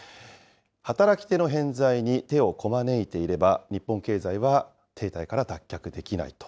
働き手の偏在に手をこまねいていれば、日本経済は停滞から脱却できないと。